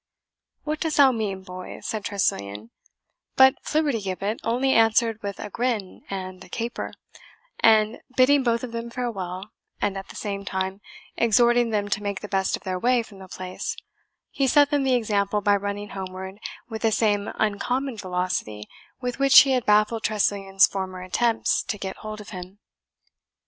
"What dost thou mean, boy?" said Tressilian; but Flibbertigibbet only answered with a grin and a caper, and bidding both of them farewell, and, at the same time, exhorting them to make the best of their way from the place, he set them the example by running homeward with the same uncommon velocity with which he had baffled Tressilian's former attempts to get hold of him.